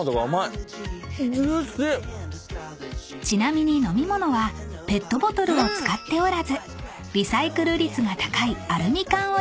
［ちなみに飲み物はペットボトルを使っておらずリサイクル率が高いアルミ缶を使用］